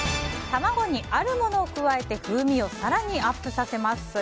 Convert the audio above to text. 卵にあるものを加えて風味を更にアップさせます。